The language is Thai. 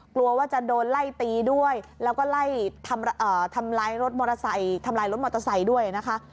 กลัวว่าจะโดนไล่ตีด้วยแล้วก็ไล่ทำลายรถมอเตอร์ไซค์ด้วยนะคะ